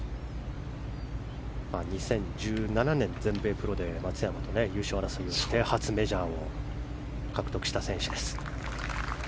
２０１７年、全米プロで松山と争って初メジャーを獲得した選手です。